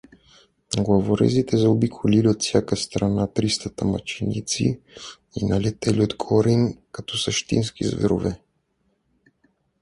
Главорезите заобиколили от всяка страна _тристата_ мъченици и налетели отгоре им като същински зверове.